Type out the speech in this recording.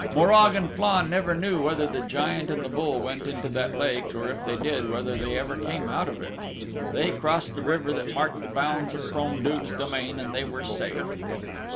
Morag and Flann never knew whether the Giant and the Bull went into that lake, or if they did, whether they ever came out of it. They crossed the river that marked the bounds of Crom Duv's domain and they were safe.